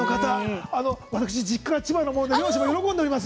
私、実家が千葉のもので両親も喜んでおります！